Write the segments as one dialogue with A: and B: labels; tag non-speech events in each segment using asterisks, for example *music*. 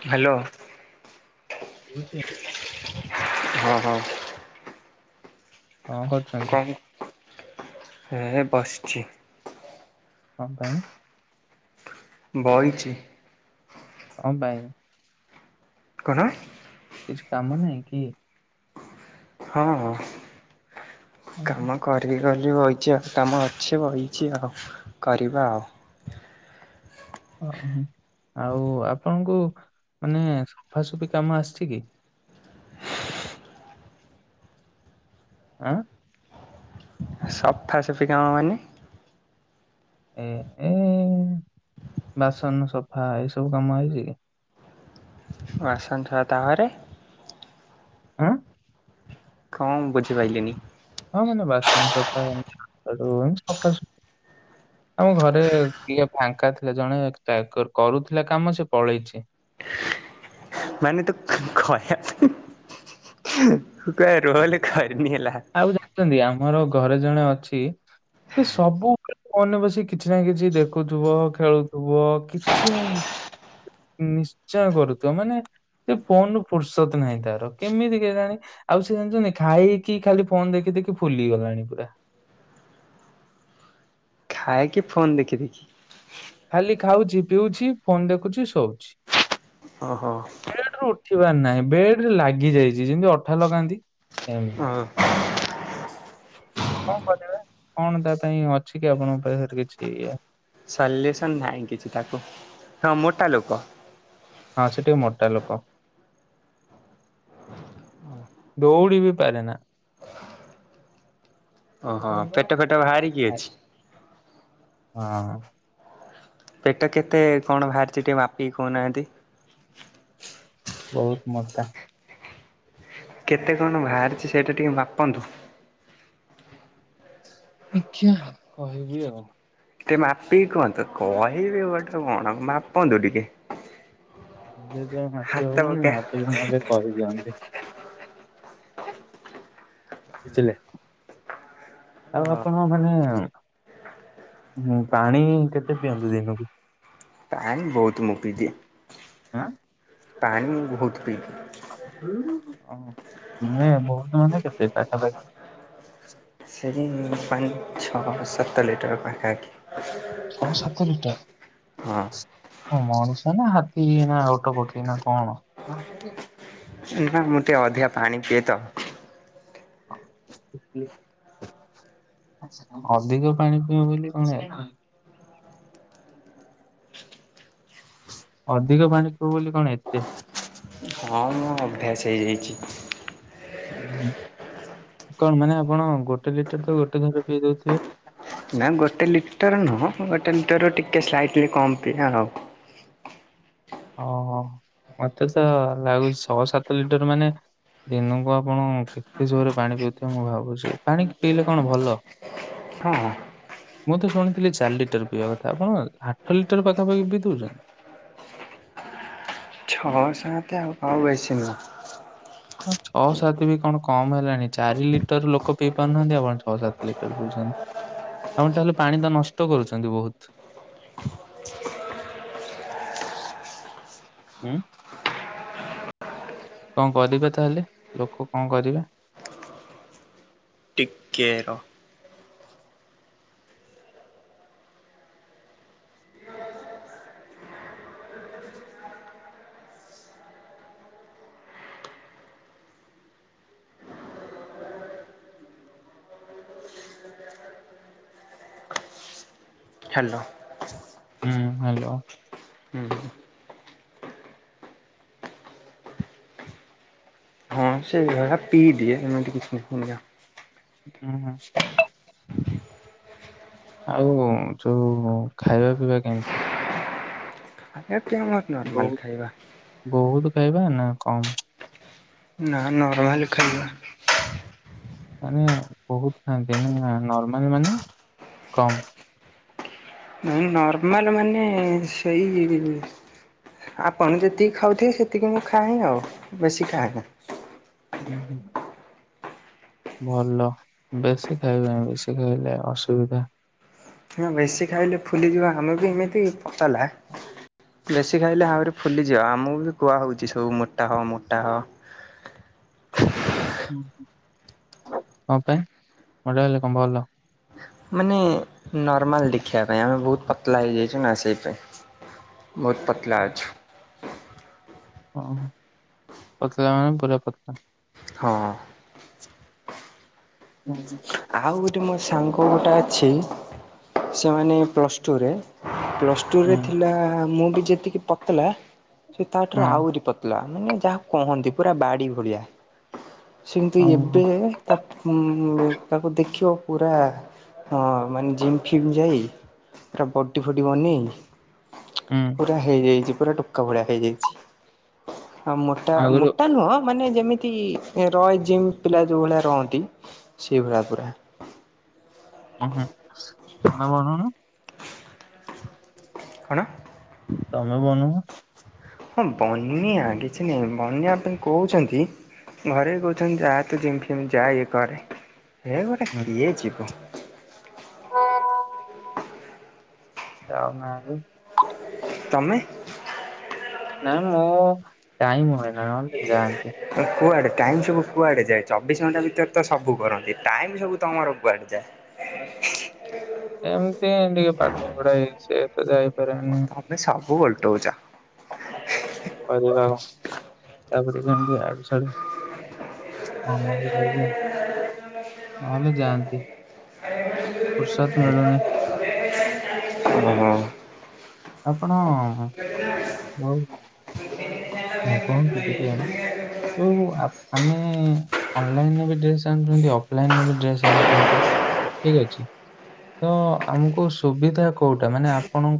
A: Hello ହଁ ହଁ।
B: କଣ କରୁଚନ୍ତି?
A: ହେ ବସିଛି।
B: କଁ ପାଇଁ?
A: ବଇଛି।
B: କଁ ପାଇଁ?
A: କଣ?
B: କିଛି କାମ ନାହିଁ କି?
A: ହଁ,
B: ଓହୋ,
A: କାମ କରିକି ଗଲି। ବଇଛି ଆଉ, କାମ ଅଛି ବଇଛି ଆଉ, କରିବା ଆଉ।
B: ହ ହ। ଆଉ ଆପଣଙ୍କୁ ମାନେ ସଫାସୁଫି କାମ ଆସିଛି କି? ଆଁ?
A: ସଫା ସିଫି କାମ ମାନେ?
B: ଏ ଏ, ବାସନ ସଫା ଏଇସବୁ କାମ ଆଇଛି କି?
A: ବାସନ ସଫା ତାପରେ
B: ଉଁ?
A: କଣ ବୁଝିପାଇଲିିନି?
B: ହଁ ମାନେ, ବାସନ ସଫା *unintelligible* ସଫା ସଫି। ଆମ ଘରେ କିଏ ଫାଙ୍କା ଥିଲା ଜଣେ କା-କ-କରୁଥିଲା କାମ ସେ ପଳେଇଚି।
A: ମାନେ ତୁ ଖହିଆ ପାଇଁ ହୁଁ ତୁ ରୋଲ୍ ଖର୍ *unintelligible* ହେଲା।
B: ମୋର ଘରେ ଜଣେ ଅଛି। ସେ ସବୁ ଫୋନରେ ବସି କିଛି ନା କିଛି ଦେଖୁଥୁବ ଖେଳୁଥୁବ କିଛି ନିଶ୍ଚୟ କରୁଥୁବ ମାନେ ସେ ଫୋନରୁ ଫୁର୍ସତ ନାହିଁ ତାର କେମିତି କେଜାଣି? ଆଉ ସେ ଜାଣିଚନ୍ତି ଖାଇ କି ଖାଲି ଫୋନ ଦେଖି ଦେଖି ଫୁଲି ଗଲାଣି ପୁରା।
A: ଖାଏ କିି ଫୋନ ଦେଖି ଦେଖି।
B: ଖାଲି ଖାଉଚି ପିଉଛି ଫୋନ୍ ଦେଖୁଛି ଶୋଉଛି।
A: ଓ ହୋ।
B: ବେଡରୁ ଉଠିବାର ନାହିଁ ବେଡରେ ଲାଗି ଯାଇଚି ଯେମତି ଅଠା ଲଗାନ୍ତି। ଏମିତି
A: ହଁ।
B: କଣ କିରିବା? କଣ ତା ପାଇଁ ଅଛି କି ଆପଣଙ୍କ ପାଖରେ କିଛି ଇଏ?
A: ସଲୁସନ ନାହିଁ କିଛି ତାକୁ ହଁ ମୋଟା ଲୋକ।
B: ହଁ ସେଟିକେ ମୋଟା ଲୋକ। ଦୌଡ଼ିବି ପାରେନା।
A: ଓହୋ ପେଟ ଫେଟ ବାହାରିକି ଅଛି?
B: ହଁ।
A: ପେଟ କେତେ କଣ ବାହାରିଚି ଟିକେ ମାପିକି କଉନାଆନ୍ତି?
B: ବହୁତ ମଜା।
A: କେତେ କଣ ବାହାରିଚି ସେଇଟା ଟିକେ ମାପନ୍ତୁ।
B: ଆଜ୍ଞା କହିବି ଆଉ।
A: ଟେ ମାପିକି କୁହନ୍ତୁ କହିବି ଗୋଟେ କଣ ମାପନ୍ତୁ ଟିକେ।
B: ଏବେ ତ ମାଟି
A: ହାତ
B: ହବନି
A: ପକା
B: ମାାପିଲେ ନହେଲେ କରିଦିଅନ୍ତି। ଥିଲେ
A: ଅ
B: ଆଉ ଆପଣ ମାନେ ହୁଁ ପାଣି କେତେ ପିଅନ୍ତି ଦିନୁକୁ?
A: ପାଣି ବହୁତ ମୁଁ ପିଦିଏ।
B: ଆଁ।
A: ପାଣି ବହୁତ ପିଇଲି
B: *unintelligible* ମାନେ ବହୁତ ମାନେ କେତେ ପାଖାପାଖି।
A: ସେଇ *unintelligible* ଛଅ ସତର ଲିଟର ପାଖାପାଖି।
B: ଛଅ ସାତ
A: ହଁ।
B: ଲିଟର। ମଣିଷ ନା ହାତୀ ନା ଓଟପକ୍ଷୀ ନା କଣ?
A: ସେଇ ପାଇଁ ମୁଁ ଟିକେ ଅଧିକା ପାଣି ପିଏ ତ।
B: ହଁ, ଅଧିକ ପାଣି ପିଇ ବୋଲି କଣ ଅଧିକ ପାଣି ପିଅ ବୋଲି କଣ ଏତେ?
A: ହଁ ମୁଁ, ଅଭ୍ୟାସ ହେଇଯାଇଚି।
B: ହଁ କଣ ମାନେ ଆପଣ ଗୋଟେ ଲିଟର ତ ଗୋଟେ ଦିନରେ ତ ପିଇ ଦଉଥିବେ?
A: ନା ଗୋଟେ ଲିଟର ନୁହଁ, ଗୋଟେ ଲିଟର ରୁ ଟିକେ ସ୍ଲାଇଟଲି କମ ପିଏ ଆଉ।
B: ଓହୋ ମତେ ତ ଲାଗୁଚି ଛଅ ସାତ ଲିଟର ମାନେ ଦିନକୁ ଆପଣ କେତେ ଜୋରରେ ପାଣି ପିଉଥିବେ ମୁଁ ଭାବୁଚି ପାଣି ପିଇଲେ କଣ ଭଲ?
A: ହଁ।
B: ମୁଁ ତ ଶୁଣିଥିଲି ଚାରି ଲିଟର ପିଇବା କଥା ଆପଣ ଆଠ ଲିଟର ପାଖାପାଖି ପିଇ ଦଉଚନ୍ତି?
A: ହଁ, ସାତେ ଆଉ ବେଶି ନୁହଁ।
B: ହ ଛଅ ସାତ ବି କଣ କମ ହେଲାଣି ଚାରି ଲିଟର ଲୋକ ପିଇ ପାରୁନାହାନ୍ତି ଆପଣ ଛଅ ସାତ ଲିଟର ପିଉଛନ୍ତି। ଆପଣ ତାହେଲେ ପାଣି ତ ନଷ୍ଟ କରୁଛନ୍ତି ବହୁତ? ହୁଁ। କଣ କରିବେ ତାହେଲେ ଲୋକ କଣ କରିବେ?
A: କେର। ହ୍ୟାଲୋ।
B: ହୁଁ ହ୍ୟାଲୋ।
A: ହୁଁ। ହଁ ସେହି ଭଳିଆ ପିଇ ଦିଏ ଏମିତି କିଛି *unintelligible*
B: ହୁଁ ହୁଁ ଆଉ ଯୋଉ ଖାଇବା ପିଇବା କେମିତି?
A: ଏଠି *unintelligible* ନିର୍ମାଲ
B: ବହୁ
A: ଖାଇବା।
B: ବହୁତ ଖାଇବା ନା କମ?
A: ନା ନିର୍ମାଲ ଖାଇବା।
B: ମାନେ ବହୁତ ଖାଆନ୍ତି ନା ନର୍ମାଲ ମାନେ କମ।
A: ନାଇ ନର୍ମାଲ ମାନେ ସେଇ ଆପଣ ଯେତିକି ଖାଉଥିବେ ସେତିକି ମୁଁ ଖାଆହିଁ ଆଉ ବେଶୀ ଖାଆନି।
B: ଉଁ ହୁଁ। ଭଲ ବେଶୀ ଖାଇବେନି ବେଶୀ ଖାଇଲେ ଅସୁବିଧା।
A: ହ ବେଶୀ ଖାଇଲେ ଫୁଲିଯିବା ଆମେ ବି ଏମିତି ପତାଲା। ବେଶୀ ଖାଇଲେ ଆହୁରି ଫୁଲିଯିବ ଆମକୁ ବି କୁହା ହଉଛି ସବୁ ମୋଟା ହ ମୋଟା ହ
B: କଣ ପାଇଁ ମୋଟା ହେଲେ କଣ ଭଲ?
A: ମାନେ ନର୍ମାଲ ଦେଖିବା ପାଇଁ ଆମେ ବହୁତ ପତଳା ହେଇଯାଇଛୁ ନା ସେଇଥି ପାଇଁ, ବହୁତ ପତଳା ଅଛୁ?
B: ହଁ ପତଳା ମାନେ ପୁରା ପତଳା,
A: ହଁ।
B: ହୁଁ ହୁଁ, ।
A: ଆଉ ଗୋଟେ ମୋ ସାଙ୍ଗ ଗୋଟେ ଅଛି ସେମାନେ ପ୍ଲସ୍ ଟୁରେ ପ୍ଲସ୍ ଟୁରେ ଥିଲା ମୁଁ ବି ଯେତିକି ପତଲା ସେ ତାଠାରୁ
B: ହଁ
A: ଆହୁରି ପତଲା ମାନେ ଯାହା କହନ୍ତି ପୁରା ବାଡି ଭଳିଆ। ସେମନ୍ତି
B: ଓହୋ
A: ଏବେ ତା ତାକୁ ଦେଖିବ ପୁରା ହଁ ମାନେ ଜିମ୍ ଫିମ୍ ଯାଇ ପୁରା ବଡି ଫଡି ବନେଇ
B: ହୁଁ
A: ପୁରା ହେଇଯାଇଛି ପୁରା ଟୋକା ଭଳିଆ ହେଇଯାଇଛି। ଆଁ ମୋଟା
B: ଆଗରୁ
A: ମୋଟା ନୁହଁ ମାନେ ଯେମିତି ରୟ ଜିମ୍ ପିଲା ଯୋଉ ଭଳିଆ ରହନ୍ତି ସେଇଭଳିଆ ପୁରା।
B: ଓ ହୋ *unintelligible*
A: କଣ?
B: ତମେ *unintelligible*
A: ହଁ ବନ୍ୟା କିଛି ନାହିଁ ବନ୍ୟାପାଈ କହୁଛନ୍ତି ଘରେ କହୁଛନ୍ତି ଯାହା ତୁ ଜିମ ଫିମ ଯା ଇଏ କରେ ହେ ଗୋଟେ
B: ହୁଁ।
A: କିଏ ଯିବ।
B: *unintelligible*
A: ତମେ
B: ନାଇ
A: ଏ କୁଆଡେ? ଟାଇମ ସବୁ କୁଆଡେ ଯାଏ ଚବିଶ ଘଣ୍ଟା ଭିତରେ ତ ସବୁ କରନ୍ତି ଟାଇମ ସବୁ ତମର କୁଆଡେ ଯାଏ?
B: ଏମିତି ଟିକେ ପାଠ ପଢା ହେଇଛି ତ ଯାଇପାରେନି।
A: ତମେ ସବୁ ଓଲଟଉଛ।
B: *unintelligible* ତାପରେ କଣ ଆଡୁ ସିଆଡୁ କାମ ବି ରହିଯାଏ ନ ହେଲେ ଯାଆନ୍ତି। ଫୁର୍ସତ ମିଳୁନି
A: *inaudible* ହୁ ହଁ।
B: ଆପଣ *unintelligible* ତ ଆମେ ଅନଲାଇନରେ ବି ଡ୍ରେସ ଆଣୁଛନ୍ତି ଅଫଲାଇନ ରେ ବି ଡ୍ରେସ୍ ଆଣୁଛନ୍ତି ଠିକ ଅଛି। ତ ଆମକୁ ସୁବିଧା କୋଉଟା ମାନେ ଆପଣ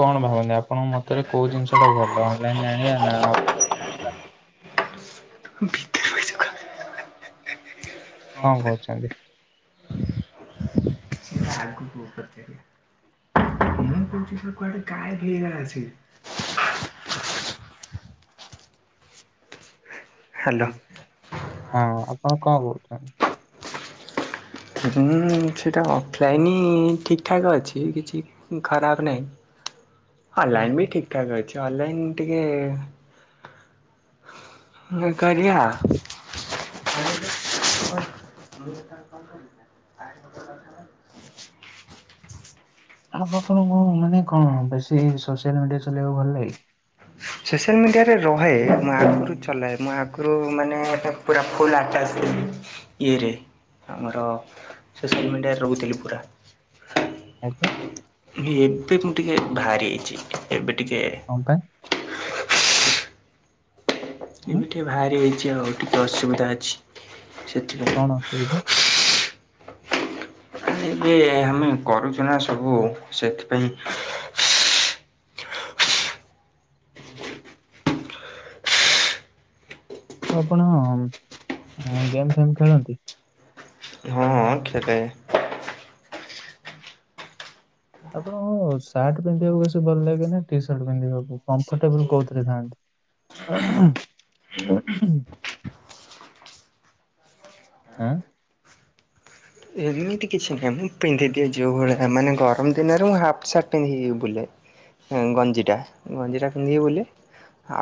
B: କଣ ଭାବନ୍ତି ଆପଣଙ୍କ ମତରେ କୋଉ ଜିନିଷ ଅନଲାଇରେ ଆଣିବା ନା ଅଫଲାଇନରେ ଆଣିବା। କଣ କହୁଛନ୍ତି?
A: *inaudible* ହାଲୋ।
B: ହଁ ଆପଣ କଣ କହୁଛନ୍ତି?
A: ହୁଁ ସେଟା ଅଫଲାଇନ ହି ଠିକଠାକ ଅଛି କିଛି ଖରାପ ନାହିଁ। ଅନଲାଇନ ବି ଠିକ ଠାକ ଅଛି ଅନଲାଇନ ଟିକେ *unintelligible*
B: ଆ ପାଖରେ ମାନେ କଣ ବେଶୀ ସୋସିଆଲ ମିଡିଆ ଚଲେଇବାକୁ ଭଲ ଲାଗେ?
A: ସୋସିଆଲ ମିଡ଼ିଆରେ ରହେ ମୁଁ ଆଗରୁ ଚଲାଏ ମୁଁ ମାନେ ପୁରା ଫୁଲ ଆଟାଜଥିଲି ଇରେ ଆମର ସୋସିଆଲ ମିଡିଆରେ ରହୁଥିଲି ପୁରା।
B: ଆଜ୍ଞା
A: ମୁ ଏବେ ମୁଁ ଟିକେ ବାହାରି ଆଇଛି ଏବେ ଟିକେ
B: କଣ ପାଇଁ?
A: ଏବେ
B: ଉଁ,
A: ଟିକେ ବାହାରି ଯାଇଛି ଆଉ ଟିକେ ଅସୁବିଧା ଅଛି। ସେଥି ପାଇଁ
B: କଣ ଅସୁବିଧା?
A: । ଏବେ ଆମେ କରୁଛୁ ନା ସବୁ ସେଥିପାଇଁ
B: ଓ ହୋ। ଆପଣ ଗେମ୍ ଫେମ ଖେଳନ୍ତି?
A: ହଁ ଖଳେ
B: ଆପଣଙ୍କୁ ସାର୍ଟ ପିନ୍ଧିବାକୁ ବେଶୀ ଭଲ ଲାଗେ ନା ଟି ସାର୍ଟ ପିନ୍ଧିବାକୁ କମ୍ଫର୍ଟେବୁଲ କୋଉଥିରେ ଥାନ୍ତି? ଅଁହୁ ଅଁ ଉ
A: ସ୍ଂ
B: ଆଁ
A: ଏମିତି କିଛି ନାହିଁ ମୁଁ ପିନ୍ଧିଦିଏ ଯେଉଁଭଳିଆ ମାନେ ଗରମ ଦିନରେ ମୁଁ ହାଫ୍ ସାର୍ଟ ପିନ୍ଧିିକି ବୁଲେ ଗଞ୍ଜିଟା ଗଞ୍ଜିଟା ପିନ୍ଧିବ ବୋଲି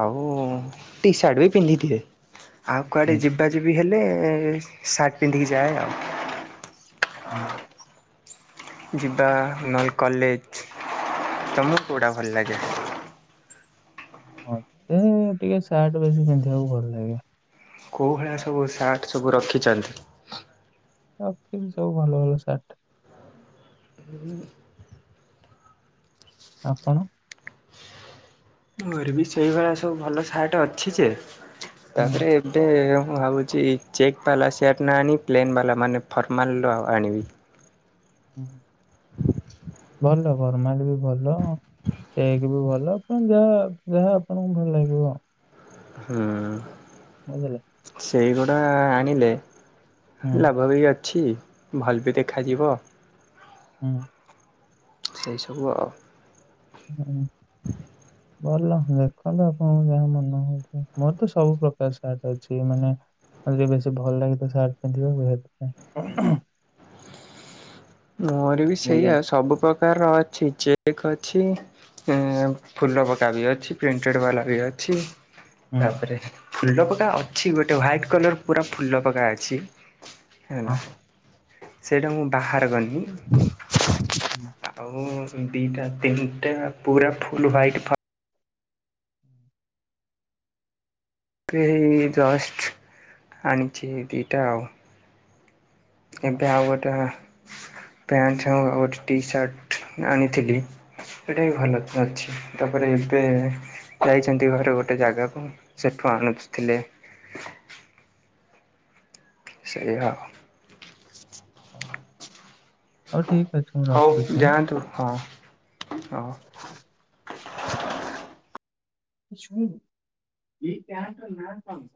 A: ଆଉ ଟି ସାର୍ଟ ବି ପିନ୍ଧିଦିଏ ଆଉ
B: ହୁଁ
A: କୁଆଡ଼େ ଯିବା ଯିବି ହେଲେ ସାର୍ଟ ପିନ୍ଧିକି ଯାଏ ଆଉ
B: ହୁଁ
A: ଯିବା ନଲେ କଲେଜ ତମକୁ କୋଉଟା ଭଲ ଲାଗେ
B: ମତେ ଟିକେ ସାର୍ଟ ବେଶୀ ପିନ୍ଧିବାକୁ ଭଲ ଲାଗେ
A: କୋଉ ଭଳିଆ ସବୁ ସାର୍ଟ ସବୁ ରଖିଛନ୍ତି
B: ରଖିଛି ସବୁ ଭଲ ଭଲ ସାର୍ଟ
A: ବିଁ
B: ଆପଣ
A: ମୋର ବି ସେଇଭଳିଆ ସବୁ ଭଲ ସାର୍ଟ ଅଛି ଯେ
B: ହୁଁ
A: ତାପରେ ଏବେ ମୁଁ ଭାବୁଛି ଚେକ୍ ବାଲା ସାର୍ଟ ନା ଆଣି ପ୍ଲେନ୍ ବାଲା ମାନେ ଫର୍ମାଲ ର ଆଣିବି
B: ହୁଁ ହୁ ଭଲ ଫରମାଲ୍ ବି ଭଲ ଚେକ୍ ବି ଭଲ ଆପଣ ଯାହା ଯାହା ଆପଣଙ୍କୁ ଭଲ ଲାଗିବ
A: ହୁଁ
B: ବୁଝିଲ
A: ସେଇଗୁଡ଼ା ଆଣିଲେ
B: ହୁଁ
A: ଲାଭ ବି ଅଛି ଅଛି ଭଲ ବି ଦେଖାଯିବ
B: ହୁଁ
A: ସେଇ ସବୁ ଆଉ
B: ହୁଁ ଭଲ ଦେଖନ୍ତୁ ଆପଣଙ୍କୁ ଯାହା ମନେ ହଉଛି ମୋର ତ ସବୁ ପ୍ରକାର ସାର୍ଟ ଅଛି ମାନେ ମୋତେ ବେଶୀ ଭଲ ଲାଗେ ତ ସାର୍ଟ ପିନ୍ଧିବାକୁ ହେଥିପାଇଁ
A: ମୋର ବି
B: ବୁଝିଲେ।
A: ସେଇଆଉ ସବୁ ପ୍ରକାରର ଅଛି ଚେ ଚେକ୍ ଅଛି ଫୁଲ ପକା ବି ଅଛି ପ୍ରିଣ୍ଟେଡ ବାଲା ବି ଅଛି
B: ହୁଁ।
A: ତାପରେ ଫୁଲ ପକା ଅଛି ଗୋଟେ ହ୍ଵାଇଟ୍ କଲର ପୁରା ଫୁଲ ପକା ଅଛି
B: ଅଁ,
A: ହେଲା ସେଇଟା ମୁଁ ବାହାର କଲି
B: ହୁଁ।
A: ଆଉ ଦିଟା ତିନିଟା ପୁରା ଫୁଲ ହ୍ବାଇଟ୍ ଫର୍ ପ୍ରେ ଜଷ୍ଟ ଆଣିଛି ଦିଟା ଆଉ। ଏବେ ଆଉ ଗୋଟେ ପ୍ୟାଣ୍ଟ ସାଙ୍ଗକୁ ଆଉଗୋଟ ଟି ସାର୍ଟ ଆଣିଥିଲି। ସେଟା ବିି ଭଲ ଅଛି ତାପରେ ଏବେ ଯାଇଛନ୍ତି ଘରେ ଗୋଟେ ଜାଗାକୁ ସେଠୁ ହଁ ଆଣୁଚଥିଲେ। ସେଇଆ ଆଉ।
B: ହଉ ଠିକ ଅଛି ମୁଁ
A: ଆଉ
B: ରଖୁଛି
A: ହଉ
B: ହାଁ
A: ଯାଆନ୍ତୁ ହଁ ହଉ
B: ଏ ସୁନ୍ ଏ ପ୍ୟାଣ୍ଟ ର ନା କଣ?